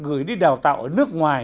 gửi đi đào tạo ở nước ngoài